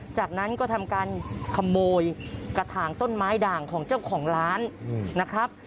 จากนั้นก็ทำการขโมยกระถางต้นไม้ด่างของเจ้าของร้านนะครับ